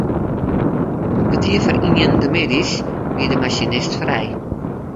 Om kertier foar ienen de middeis wie de masinist frij.